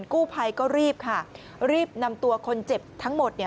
กู้ภัยก็รีบค่ะรีบนำตัวคนเจ็บทั้งหมดเนี่ย